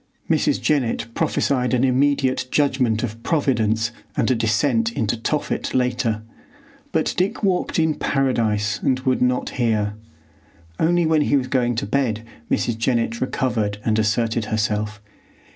Mrs. Jennett prophesied an immediate judgment of Providence and a descent into Tophet later, but Dick walked in Paradise and would not hear. Only when he was going to bed Mrs. Jennett recovered and asserted herself.